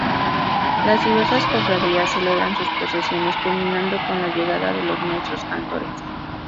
Las diversas cofradías celebran sus procesiones, culminando con la llegada de los maestros cantores.